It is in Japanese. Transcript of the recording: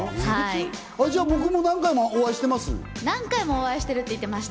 じゃあ僕も何回もお会いしてます？